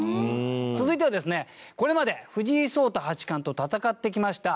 続いてはですね、これまで藤井聡太八冠と戦ってきました